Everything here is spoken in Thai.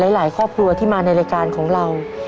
หลายครอบครัวที่มาในรายการของเรา